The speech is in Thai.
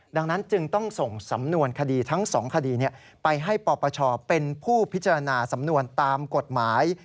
ดังนั้นจึงต้องส่งสำนวนคดีทั้ง๒คดีไปให้ปปชเป็นผู้พิจารณาสำนวนตามกฎหมาย